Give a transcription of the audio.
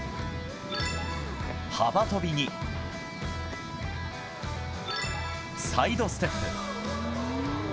幅跳びに、サイドステップ。